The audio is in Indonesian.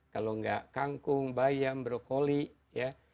kalau nggak kangkung bayam brokoli ya